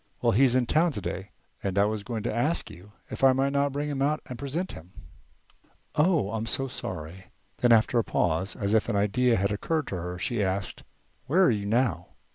Well, he's in town today and I was going to ask you if I might not bring him out and present him." "Oh! I'm so sorry." Then after a pause, as if an idea had occurred to her, she asked: "Where are you now?"